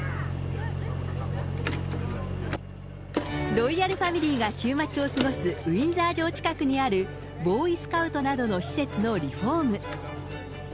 ロイヤルファミリーが週末を過ごすウィンザー城近くにある、ボーイスカウトなどの施設のリフォーム。